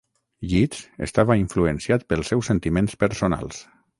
Yeats estava influenciat pels seus sentiments personals.